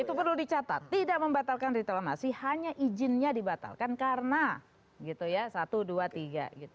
itu perlu dicatat tidak membatalkan reklamasi hanya izinnya dibatalkan karena gitu ya satu dua tiga gitu